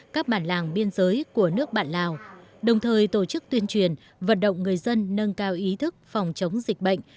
các bản làng biên giới của nước bạn lào đồng thời tổ chức tuyên truyền vận động người dân nâng cao ý thức phòng chống dịch bệnh